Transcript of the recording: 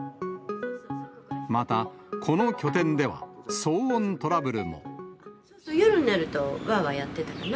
またこの拠点では、夜になると、わーわーやってたかな。